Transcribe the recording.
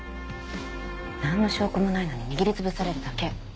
何の証拠もないのに握りつぶされるだけ。